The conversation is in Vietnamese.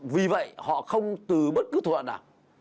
vì vậy họ không từ bất cứ thuận nào